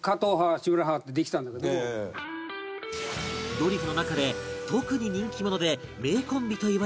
ドリフの中で特に人気者で名コンビといわれた２人